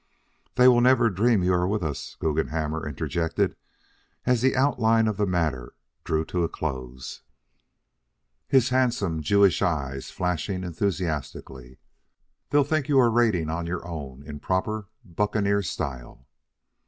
"They will never dream you are with us," Guggenhammer interjected, as the outlining of the matter drew to a close, his handsome Jewish eyes flashing enthusiastically. "They'll think you are raiding on your own in proper buccaneer style."